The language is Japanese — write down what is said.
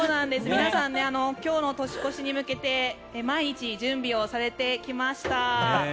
皆さん、今日の年越しに向けて毎日、準備をされてきました。